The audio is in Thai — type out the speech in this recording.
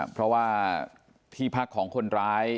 เพราะว่าที่พักของคนร้าย